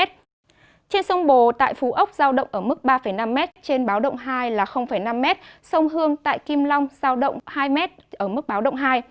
trên sông bồ tại phú ốc giao động ở mức ba năm m trên báo động hai là năm m sông hương tại kim long giao động hai m ở mức báo động hai